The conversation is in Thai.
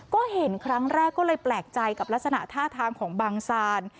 ก็เห็นครั้งแรกก็เลยแปลกใจกับลักษณะท่าทางของบางซาน